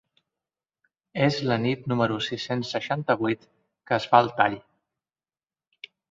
És la nit número sis-cents seixanta-vuit que es fa el tall.